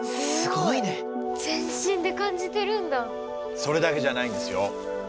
それだけじゃないんですよ。